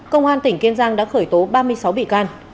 công an tỉnh kiên giang đã khởi tố ba mươi sáu bị can